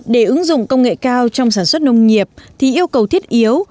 để ứng dụng công nghệ cao trong sản xuất nông nghiệp thì yêu cầu thiết yếu